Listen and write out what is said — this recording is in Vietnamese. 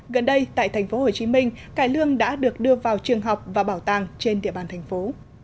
gần đây tại tp hcm cải lương đã được đưa vào trường học và bảo tàng trên địa bàn thành phố